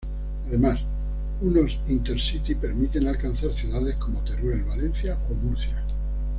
Además, unos Intercity permiten alcanzar ciudades como Teruel, Valencia o Murcia.